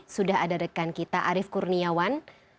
sudah ada rekan kita arief kurniawan